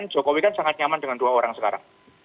jokowi kan sangat nyaman dengan dua orang sekarang